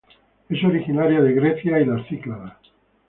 Es originaria de Grecia y las Cícladas.